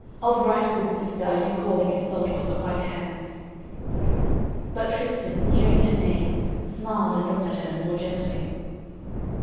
Of right, good sister, are you called, 'Iseult of the White Hands.'" But Tristan, hearing her name, smiled and looked at her more gently.